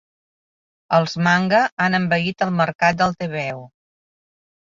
Els Manga han envaït el mercat del tebeo.